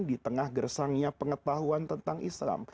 di tengah gersangnya pengetahuan tentang islam